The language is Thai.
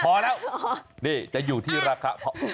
พอแล้วนี่จะอยู่ที่ราคาพอ